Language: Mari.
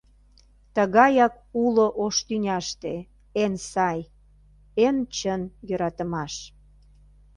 Тыгаяк уло ош тӱняште Эн сай, эн чын йӧратымаш.